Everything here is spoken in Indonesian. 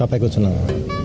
bapak ikut senang